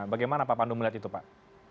bagaimana pak pandu melihat itu pak